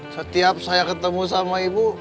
setiap saya ketemu sama ibu